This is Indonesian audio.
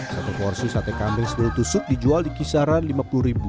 satu porsi sate kambing sebelum tusuk dijual di kisaran rp lima puluh